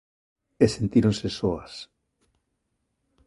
E sentíronse soas.